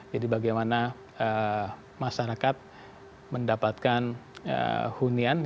jadi bagaimana masyarakat mendapatkan hunian